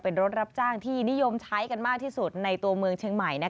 เป็นรถรับจ้างที่นิยมใช้กันมากที่สุดในตัวเมืองเชียงใหม่